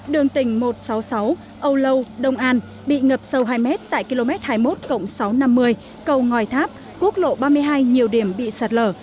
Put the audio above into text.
đường tỉnh một trăm sáu mươi sáu âu lâu đông an bị ngập sâu hai m tại km hai mươi một sáu trăm năm mươi cầu ngòi tháp quốc lộ ba mươi hai nhiều điểm bị sạt lở